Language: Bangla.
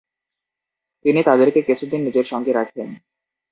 তিনি তাদেরকে কিছুদিন নিজের সঙ্গে রাখেন।